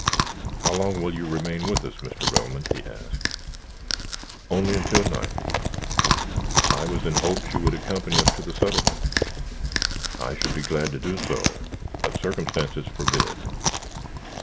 "How long will you remain with us, Mr. Relmond?" he asked. "Only until night." "I was in hopes you would accompany us to the settlement." "I should be glad to do so, but circumstances forbid."